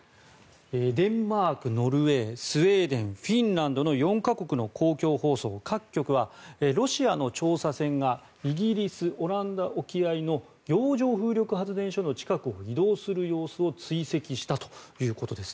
デンマーク、ノルウェースウェーデン、フィンランドの４か国の公共放送各局はロシアの調査船がイギリス、オランダ沖合の洋上風力発電所の近くを移動する様子を追跡したということです。